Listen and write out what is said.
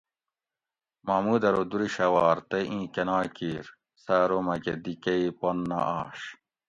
محمود ارو درشھوار تئ ایں کۤنا کیر؟ سہ ارو مکہ دی کیئ پن نہ آش